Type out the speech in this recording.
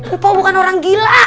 ibu bukan orang gila